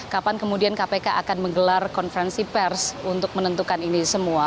kapan kemudian kpk akan menggelar konferensi pers untuk menentukan ini semua